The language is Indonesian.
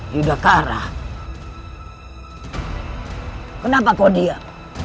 yudhakara kenapa kau diam